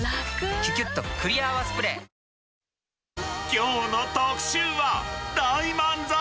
きょうの特集は、大満足！